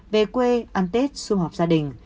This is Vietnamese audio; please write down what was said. về quê ăn tết xu hợp gia đình